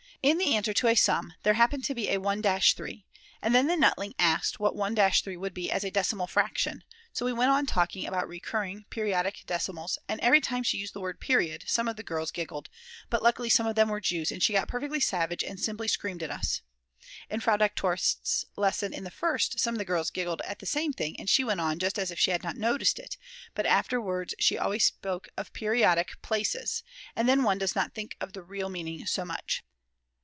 In the answer to a sum there happened to be 1 3, and then the Nutling asked what 1 3 would be as a decimal fraction; so we went on talking about recurring [periodic] decimals and every time she used the word period, some of the girls giggled, but luckily some of them were Jews, and she got perfectly savage and simply screamed at us. In Frau Doktor St's lesson in the First, some of the girls giggled at the same thing and she went on just as if she had not noticed it, but afterwards she always spoke of periodic places, and then one does not think of the real meaning so much.